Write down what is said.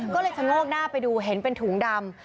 ก็เลยชะโงกหน้าไปดูเห็นเป็นถุงดำ